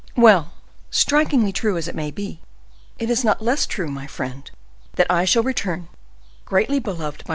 "Well, strikingly true as it may be, it is not less true, my friend, that I shall return—greatly beloved by M.